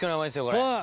これ。